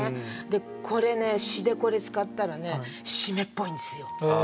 これね詩でこれ使ったらね湿っぽいんですよ。